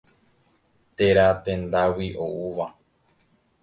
Téra tendágui oúva.